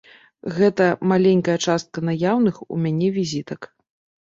Гэта маленькая частка наяўных у мяне візітак.